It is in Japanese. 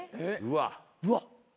うわっ。